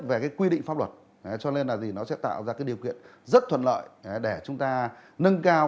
về cái quy định pháp luật cho nên là gì nó sẽ tạo ra cái điều kiện rất thuận lợi để chúng ta nâng cao